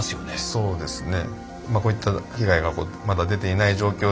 そうですね。